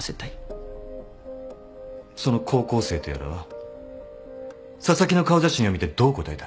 その高校生とやらは紗崎の顔写真を見てどう答えた？